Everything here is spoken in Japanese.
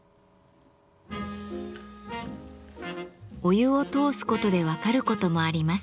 お湯を通すことで分かることもあります。